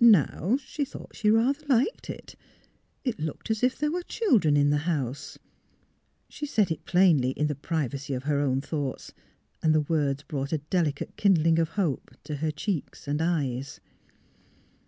Now, she thought she rather liked it. It looked as if there were children in the house. She said it plainly in the privacy of her own thoughts, and the words brought a delicate kindling of hope to cheeks and eyes.